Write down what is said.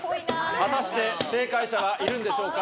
果たして正解者はいるんでしょうか。